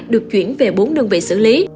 được chuyển về bốn đơn vị xử lý